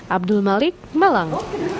abdul malik malang